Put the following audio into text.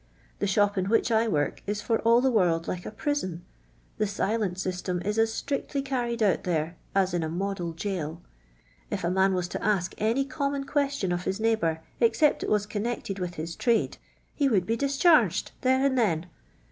The shop in which 1 work is for all the world like a prison ; the silent system is as strictly carried out there as in a model paol. If a man was to ask any com mon question of his neighbour, except it was connected with his trade, he would be discharged there and then.